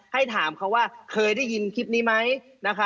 ให้ถามเขาว่าเคยได้ยินคลิปนี้ไหมนะคะ